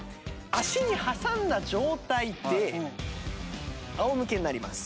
足に挟んだ状態で仰向けになります。